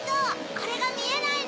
これがみえないの？